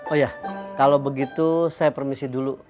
oh ya kalau begitu saya permisi dulu